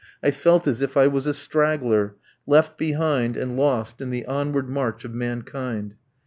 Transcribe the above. I felt as if I was a straggler, left behind and lost in the onward march of mankind.